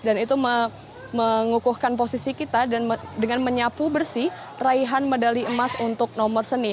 itu mengukuhkan posisi kita dan dengan menyapu bersih raihan medali emas untuk nomor seni